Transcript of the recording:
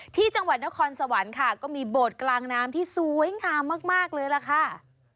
ที่จังหวัดนครสวรรค์ค่ะก็มีโบสถ์กลางน้ำที่สวยงามมากเลยล่ะค่ะ